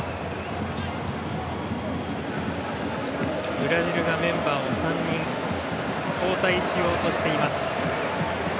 ブラジルがメンバーを３人交代しようとしています。